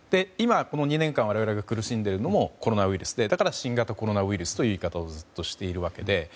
今、この２年間我々が苦しんでいるのもコロナウイルスでだから新型コロナウイルスという言い方をずっとしているわけで。